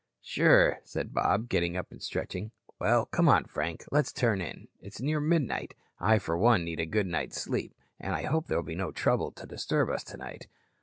"Sure," said Bob, getting up and stretching, "Well, come on, Frank. Let's turn in. It's near midnight. I for one need a good night's sleep. And I hope there'll be no trouble to disturb us tonight."